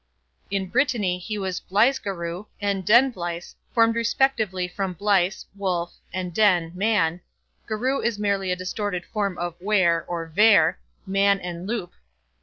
In Brittany he was bleizgarou and denvleiz, formed respectively from bleiz, wolf, and den, man; garou is merely a distorted form of wer or vere, man and loup.